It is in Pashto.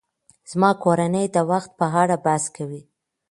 زما کورنۍ د وخت په اړه بحث کوي.